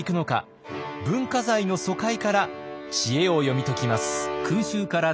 文化財の疎開から知恵を読み解きます。